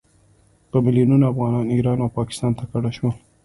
په میلونونو افغانان ایران او پاکستان ته کډه شول.